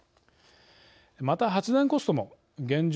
また発電コストも現状